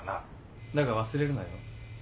だが忘れるなよ。